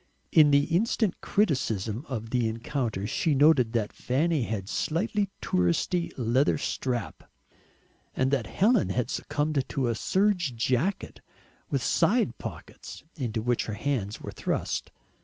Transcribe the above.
In the instant criticism of the encounter she noted that Fanny had a slightly "touristy" leather strap, and that Helen had succumbed to a serge jacket with side pockets, into which her hands were thrust.